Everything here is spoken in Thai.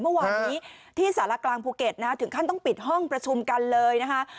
เมื่อวานนี้ที่สารกลางภูเก็ตนะฮะถึงขั้นต้องปิดห้องประชุมกันเลยนะคะ